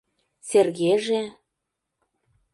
Сергеже?..